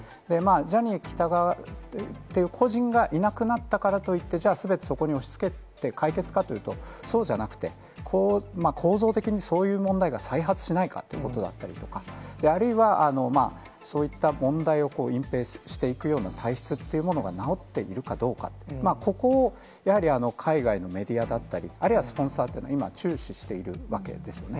ジャニー喜多川という個人がいなくなったからといって、じゃあ、すべてそこに押しつけて解決かというと、そうじゃなくて、構造的にそういう問題が再発しないかということだったりだとか、あるいはそういった問題を隠蔽していくような体質っていうものが直っているかどうか、ここをやはり海外のメディアだったり、あるいはスポンサーというのは今、注視しているわけですね。